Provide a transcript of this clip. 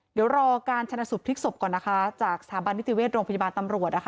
เดี๋ยวรอการชนะสุดพลิกศพก่อนนะคะจากสถาบันวิทยาวิทยาลัยโรงพยาบาลตำรวจ